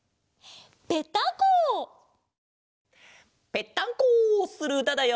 ぺったんこするうただよ！